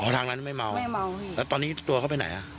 ทางนั้นไม่เมาไม่เมาแล้วตอนนี้ตัวเขาไปไหนอ่ะ